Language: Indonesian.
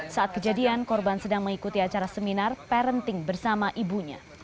saat kejadian korban sedang mengikuti acara seminar parenting bersama ibunya